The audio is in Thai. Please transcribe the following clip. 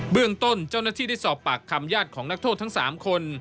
เรื่องต้นเจ้าหน้าที่ได้สอบปากคำญาติของนักโทษทั้ง๓คน